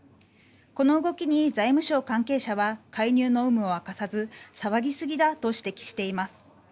この動きに財務省関係者は介入の有無を明かさず騒ぎすぎだと指摘しています。